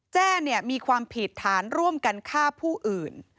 แจ้มีความผิดฐานร่วมกันฆ่าผู้อื่น